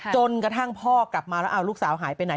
จนกระทั่งพ่อกลับมาแล้วเอาลูกสาวหายไปไหน